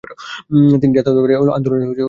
তিনি জাতীয়তাবাদী আন্দোলনে নেমে পড়েছিলেন।